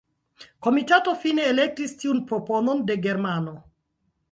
Komitato fine elektis tiun proponon de germano.